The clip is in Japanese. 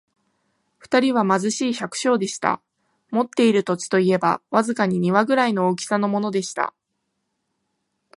二人は貧しい百姓でした。持っている土地といえば、わずかに庭ぐらいの大きさのものでした。